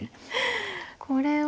これは。